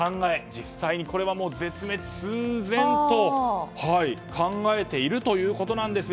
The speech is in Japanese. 実際にこれは絶滅寸前と考えているということなんです